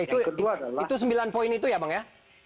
itu sembilan poin itu ya bang ya